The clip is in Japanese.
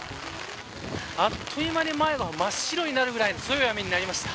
あっという間に、前が真っ白になるくらい強い雨になりました。